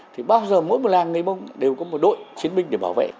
thì bao giờ mỗi một làng nghề mông đều có một đội chiến binh để bảo vệ